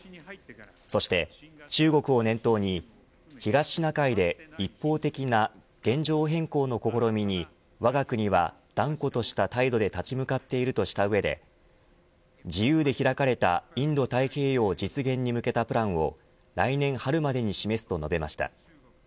そして、中国を念頭に東シナ海で一方的な現状変更の試みにわが国は断固とした態度で立ち向かっているとした上で自由で開かれたインド太平洋実現に向けたプランを来年春までに示すと述べました。